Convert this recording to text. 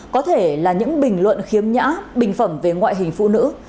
có thể là những bình luận khiếm nhã bình phẩm về ngoại hình phụ nữ